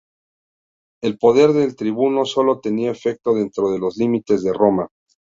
El poder del tribuno sólo tenía efecto dentro de los límites de Roma.